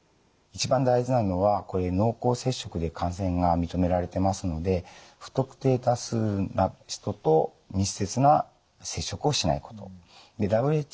一番大事なのは濃厚接触で感染が認められてますので不特定多数の人と密接な接触をしないこと。